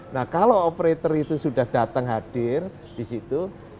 nah kalau operator itu sudah datang hadir di situ